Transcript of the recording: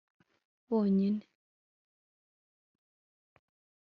bonyine